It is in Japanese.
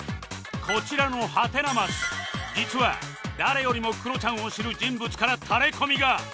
こちらのハテナマス実は誰よりもクロちゃんを知る人物からタレコミが